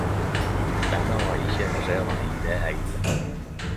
Denne var ikkje engasjerande i det heile.